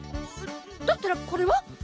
だったらこれは？